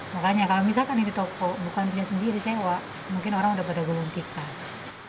makanya kalau misalkan di toko bukan punya sendiri sewa mungkin orang udah pada gulung tikar